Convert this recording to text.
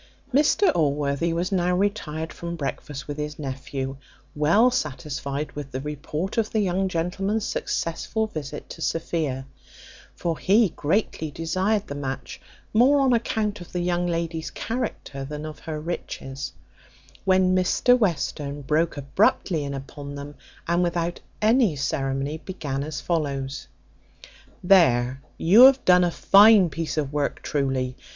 Mr Allworthy was now retired from breakfast with his nephew, well satisfied with the report of the young gentleman's successful visit to Sophia (for he greatly desired the match, more on account of the young lady's character than of her riches), when Mr Western broke abruptly in upon them, and without any ceremony began as follows: "There, you have done a fine piece of work truly!